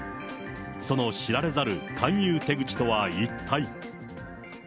その知られざる勧誘手口とは一体。